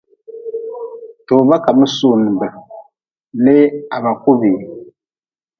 Toga ka mi sunibi lee ha ba ku bii.